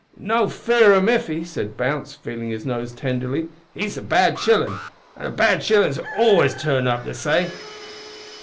"`No fear o' Miffy,' said Bounce, feelin' his nose tenderly, `he's a bad shillin', and bad shillin's always turn up, they say.'